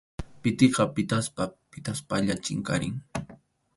Pikiqa pʼitaspa pʼitaspalla chinkarin.